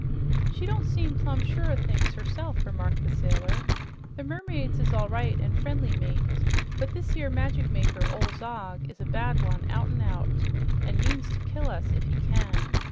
"She don't seem plumb sure o' things herself," remarked the sailor. "The mermaids is all right an' friendly, mate, but this 'ere magic maker, ol' Zog, is a bad one, out 'n' out, an' means to kill us if he can."